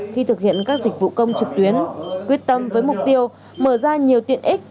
khi thực hiện các dịch vụ công trực tuyến quyết tâm với mục tiêu mở ra nhiều tiện ích